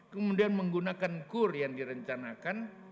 kemudian menggunakan kur yang direncanakan